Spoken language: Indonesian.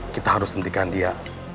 kita harus hentikan dia